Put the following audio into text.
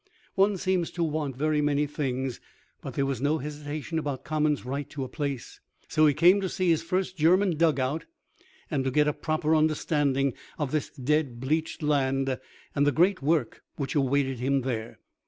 One seems to want very many things, but there was no hesitation about Common's right to a place. So he came to see his first German dug out, and to get a proper understanding of this dead bleached land and the great work which awaited him there.